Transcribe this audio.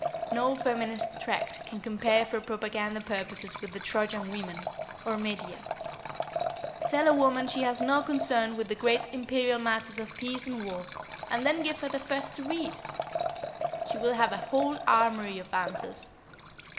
No feminist tract can compare for propaganda purposes with The Trojan Women, or Medea. Tell a woman she has no concern with the great imperial matters of peace and war, and then give her the first to read! She will have a whole armoury of answers.